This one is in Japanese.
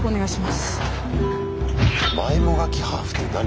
前もがきハーフって何？